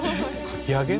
かき揚げ？